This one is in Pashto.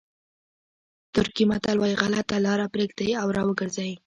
ترکي متل وایي غلطه لاره پرېږدئ او را وګرځئ.